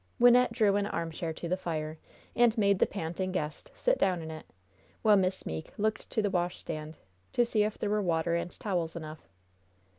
Wynnette drew an armchair to the fire, and made the panting guest sit down in it, while Miss Meeke looked to the washstand, to see if there were water and towels enough.